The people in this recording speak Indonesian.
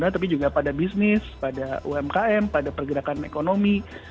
tapi juga pada bisnis pada umkm pada pergerakan ekonomi